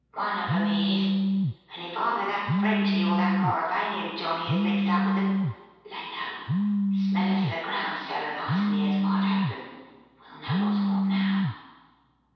One of 'em, he is; and if either that Frenchy or that Mauravanian johnny is mixed up with them lay low! Smeller to the ground, sir, and eyes and ears wide open! We'll know wot's wot now!"